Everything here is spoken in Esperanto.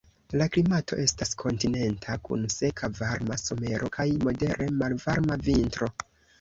La klimato estas kontinenta, kun seka varma somero kaj modere malvarma vintro.